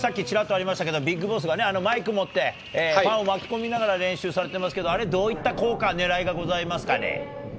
今日もさっきちらっとありましたけどビッグボスがマイクを持ってファンを巻き込みながら練習をされていますがあれはどういった効果、狙いがございますかね。